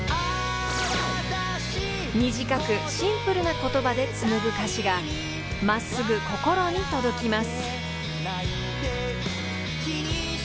［短くシンプルな言葉でつむぐ歌詞が真っすぐ心に届きます］